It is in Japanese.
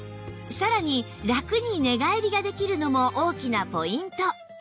さらにラクに寝返りができるのも大きなポイント